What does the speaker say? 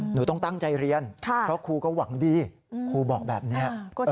หนูต้องตั้งใจเรียนเพราะครูก็หวังดีครูบอกแบบนี้